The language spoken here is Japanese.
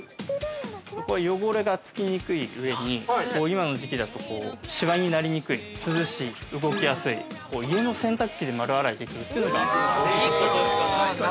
汚れがつきにくい上に、今の時期だと、しわになりにくい、涼しい、動きやすい、家の洗濯機で丸洗いできるっていうのが。